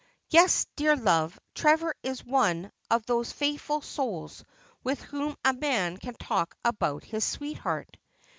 Yes, dear love, Trevor is just one of those faithful souls with whom a man can talk about his sweetheart.